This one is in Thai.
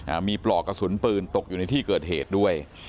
มีปลอกกระสุนปืนตกอยู่ในที่เกิดเหตุด้วย